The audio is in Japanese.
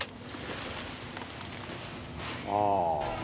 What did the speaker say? ああ。